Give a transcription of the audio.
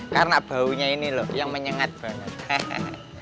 karena baunya ini loh yang menyengat banget